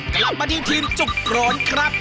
กลับมาที่ทีมจุกร้อนครับ